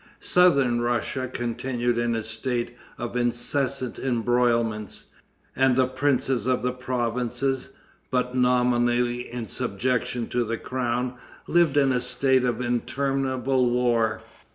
Southern Russia continued in a state of incessant embroilments; and the princes of the provinces, but nominally in subjection to the crown, lived in a state of interminable war.